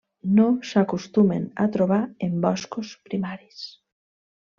No s'acostumen a trobar en boscos primaris.